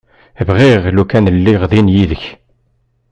Bɣiɣ lukan lliɣ din yid-k.